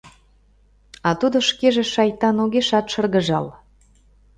А тудо шкеже, шайтан, огешат шыргыжал.